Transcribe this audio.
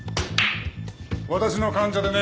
私の患者でね